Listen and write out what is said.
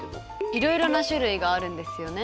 いろいろな種類があるんですよね。